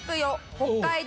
北海道